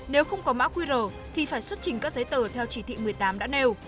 nếu không có mã qr thì phải xuất trình các giấy tờ theo chỉ thị một mươi tám đã nêu